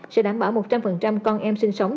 sẽ đảm bảo một trăm linh con em sinh sống